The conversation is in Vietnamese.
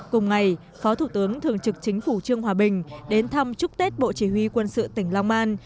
cùng ngày phó thủ tướng thường trực chính phủ trương hòa bình đến thăm chúc tết bộ chỉ huy quân sự tỉnh long an